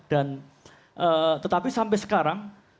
dan tetapi sampai sekarang